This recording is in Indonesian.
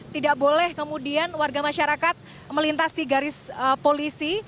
tidak boleh kemudian warga masyarakat melintasi garis polisi